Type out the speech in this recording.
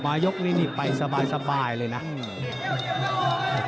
เป้ามันไปทีการของร้ายถานี